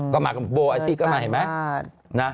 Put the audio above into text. ก็มากับโบอาชีพก็มาเห็นไหม